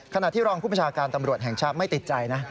ขณะที่รองผู้ประชาการตำรวจแห่งชาติไม่ติดใจนะ